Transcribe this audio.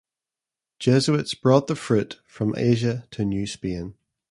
Jesuits brought the fruit from Asia to New Spain.